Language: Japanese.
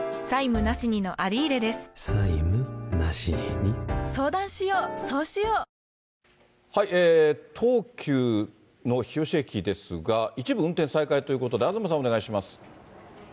ニトリ東急の日吉駅ですが、一部運転再開ということで、東さん、お願いします。